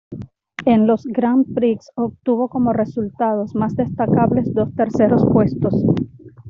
En los Grand Prix, obtuvo como resultados más destacables dos terceros puestos.